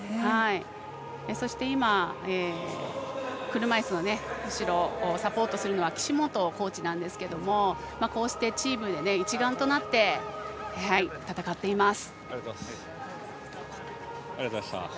そして今、車いすの後ろをサポートするのは岸本コーチなんですけれどもこうしてチームで一丸となって戦っています。